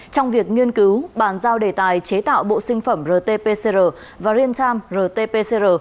trong việc nghiên cứu bàn giao đề tài chế tạo bộ sinh phẩm rt pcr và real time rt pcr